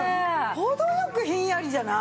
程良くひんやりじゃない？